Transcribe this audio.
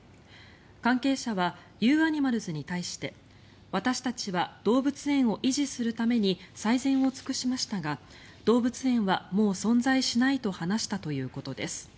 関係者はＵＡｎｉｍａｌｓに対して私たちは動物園を維持するために最善を尽くしましたが動物園はもう存在しないと話したということです。